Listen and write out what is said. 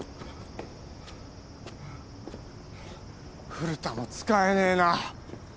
古田も使えねえな。